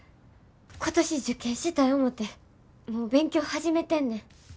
今年受験したい思てもう勉強始めてんねん。